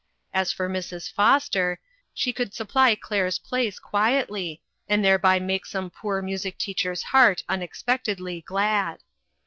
As for Mrs. Foster, she could supply Claire's place quietly, and thereby make some poor music teacher's heart unexpectedly glad.